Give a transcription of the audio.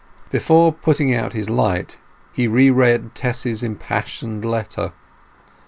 Before putting out his light he re read Tess's impassioned letter.